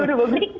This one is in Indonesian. udah udah bagus